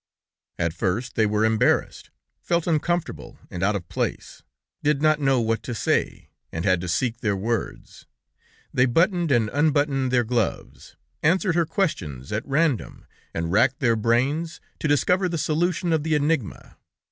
At first they were embarrassed, felt uncomfortable and out of place, did not know what to say, and had to seek their words; they buttoned and unbuttoned their gloves, answered her questions at random, and racked their brains to discover the solution of the enigma.